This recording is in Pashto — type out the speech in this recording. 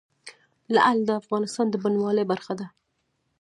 لعل د افغانستان د بڼوالۍ برخه ده.